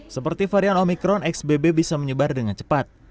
seperti varian omikron xbb bisa menyebar dengan cepat